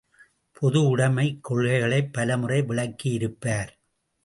பொதுஉடமைக் கொள்கைகளைப் பலமுறை விளக்கியிருப்பார்!